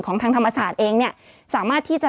ของทางธรรมศาสตร์เองสามารถที่จะ